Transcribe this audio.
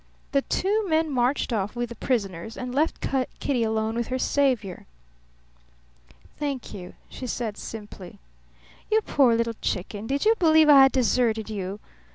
The two men marched off with the prisoners and left Kitty alone with her saviour. "Thank you," she said, simply. "You poor little chicken, did you believe I had deserted you?"